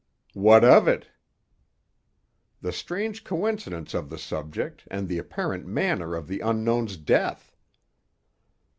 "What of it?" "The strange coincidence of the subject, and the apparent manner of the unknown's death."